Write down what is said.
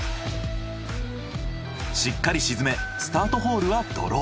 しっかり沈めスタートホールはドロー。